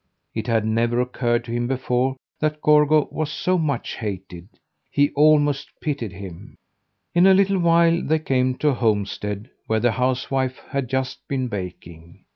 It had never occurred to him before that Gorgo was so much hated. He almost pitied him. In a little while they came to a homestead where the housewife had just been baking.